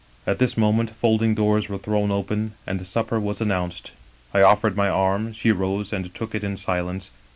" At this moment folding doors were thrown open, and supper was announced. I offered my arm, she rose and took it in silence.